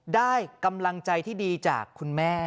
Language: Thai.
ได้กำลังใจที่ดีจากคุณแม่